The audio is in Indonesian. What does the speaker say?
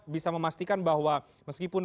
bisa memastikan bahwa meskipun